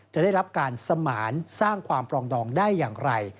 จะได้รับการสมานสร้างความปรองดองได้อย่างไร